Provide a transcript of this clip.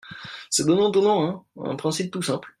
C’est donnant-donnant, un principe tout simple.